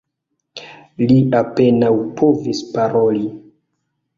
Li apenaŭ povis paroli.